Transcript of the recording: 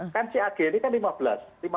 kan cag ini kan lima belas